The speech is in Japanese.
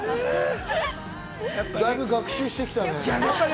だいぶ学習してきたね。